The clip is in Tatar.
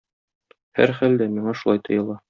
Һәрхәлдә, миңа шулай тоела.